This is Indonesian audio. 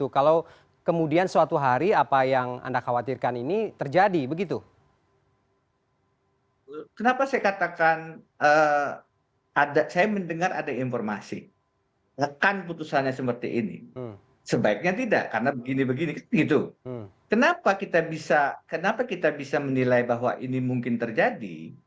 rena kapan juga jiwa itu dari perangkalan muy capa pm ini terjadi apa dilaporkan oleh